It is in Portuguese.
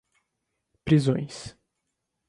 prisões